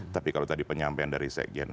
tapi kalau tadi penyampaian dari sekjen